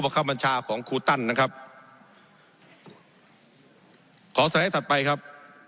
ขอแสดงให้ถัดไปครับ